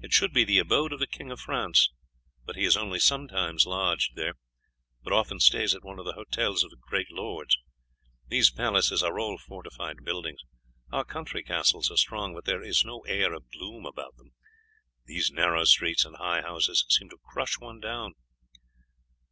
It should be the abode of the King of France, but he is only sometimes lodged there; but often stays at one of the hotels of the great lords. These palaces are all fortified buildings. Our country castles are strong, but there is no air of gloom about them; these narrow streets and high houses seem to crush one down."